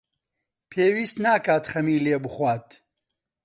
پێویست ناکات خەمی لێ بخوات.